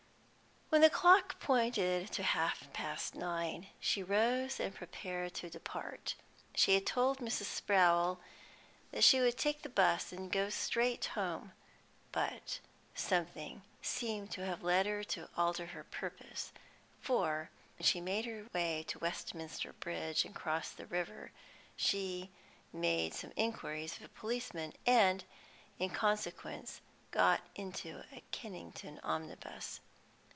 When the clock pointed to half past nine, she rose and prepared to depart. She had told Mrs. Sprowl that she would take the 'bus and go straight home; but something seemed to have led her to alter her purpose, for she made her way to Westminster Bridge, and crossed the river. Then she made some inquiries of a policeman, and, in consequence, got into a Kennington omnibus.